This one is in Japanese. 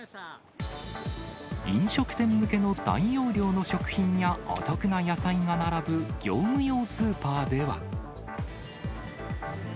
飲食店向けの大容量の食品やお得な野菜が並ぶ業務用スーパーでは。